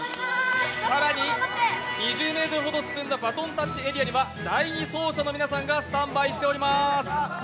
更に２０ｍほど進んだバトンタッチエリアには第２走者の皆さんがスタンバイしております。